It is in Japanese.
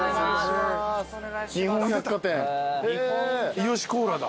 伊良コーラだ。